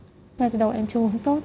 ngay từ đầu em chưa uống tốt